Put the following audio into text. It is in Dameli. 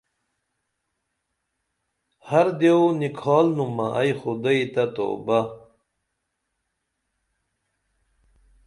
ہر دیو نِکھالنومہ ائی خدے تہ توبہ